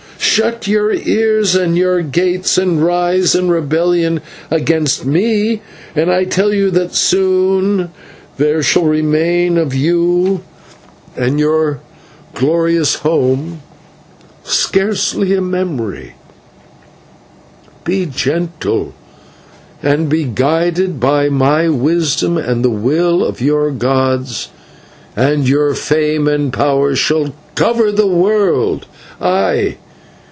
Shut your ears and your gates and rise in rebellion against me, and I tell you that soon there shall remain of you and of your glorious home scarcely a memory; but be gentle and be guided by my wisdom and the will of your gods, and your fame and power shall cover the world; ay!